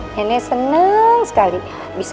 nenek seneng sekali